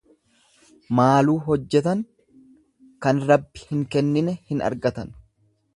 Maaluu hojjetan kan Rabbi hin kennine hin argatan.